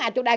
ở chỗ đây